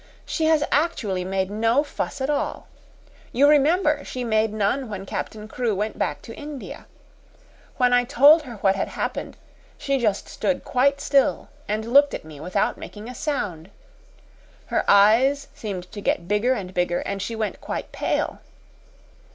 She has actually made no fuss at all. You remember she made none when Captain Crewe went back to India. When I told her what had happened, she just stood quite still and looked at me without making a sound. Her eyes seemed to get bigger and bigger, and she went quite pale.